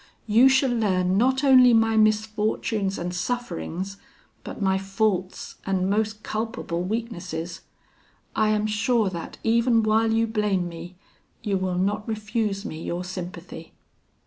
You shall learn not only my misfortunes and sufferings, but my faults and most culpable weaknesses. I am sure that, even while you blame me, you will not refuse me your sympathy."